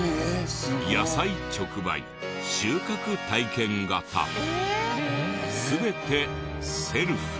「野菜直売収穫体験型すべてセルフ」